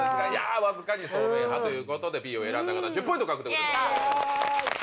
わずかにそうめん派ということでＢを選んだ方１０ポイント獲得です。